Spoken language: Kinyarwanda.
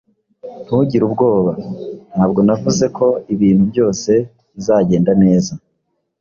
Ntugire ubwoba. Ntabwo navuze ko ibintu byose bizagenda neza?